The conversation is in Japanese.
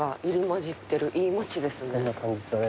そんな感じだね